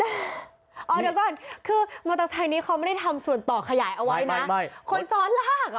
อ๋อเดี๋ยวก่อนคือมอเตอร์ไซค์นี้เขาไม่ได้ไหมล่ะคนซ้อนลาก